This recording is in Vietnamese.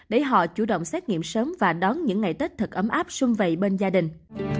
để họ chủ động xét nghiệm sớm và đón những ngày tết thật ấm áp xuân về bên gia đình